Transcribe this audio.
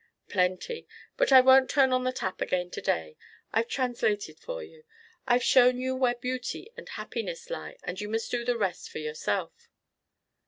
"Plenty, but I won't turn on the tap again to day. I've translated for you. I've shown you where beauty and happiness lie, and you must do the rest for yourself."